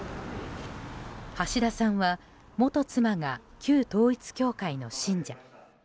橋田さんは元妻が旧統一教会の信者。